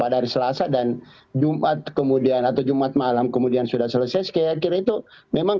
hari selasa dan jumat kemudian atau jumat malam kemudian sudah selesai sekian itu memang